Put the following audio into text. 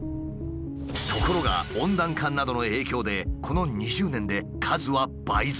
ところが温暖化などの影響でこの２０年で数は倍増。